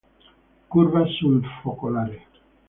Curva sul focolare.